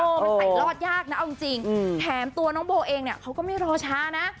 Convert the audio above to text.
มันใส่รอดยากนะเอาจริงแถมตัวน้องโบเองเนี่ยเขาก็ไม่รอช้านะ